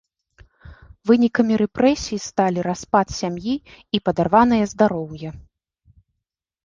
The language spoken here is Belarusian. Вынікамі рэпрэсій сталі распад сям'і і падарванае здароўе.